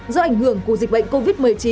do ảnh hưởng của dịch bệnh covid một mươi chín